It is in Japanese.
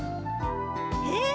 へえ。